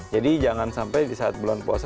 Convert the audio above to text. jadi jangan sampai di saat bulan puasa